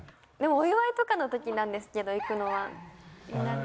お祝いとかのときなんですけど行くのは。